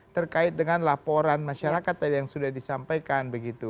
terkait dengan laporan masyarakat yang sudah disampaikan